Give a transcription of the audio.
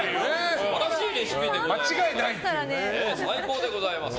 素晴らしいレシピでございます。